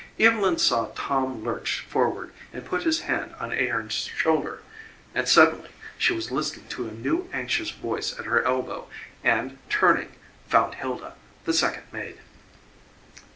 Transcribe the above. Evylyn saw Tom lurch forward and put his hand on Ahearns shoulder and suddenly she was listening to a new, anxious voice at her elbow, and, turning, found Hilda, the second maid.